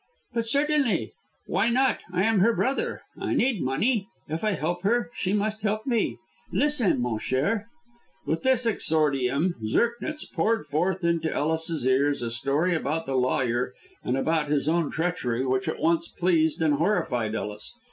"But, certainly Why not? I am her brother; I need money. If I help her, she must help me. Listen! mon cher." With this exordium Zirknitz poured forth into Ellis's ears a story about the lawyer and about his own treachery which at once pleased and horrified Ellis.